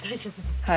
はい。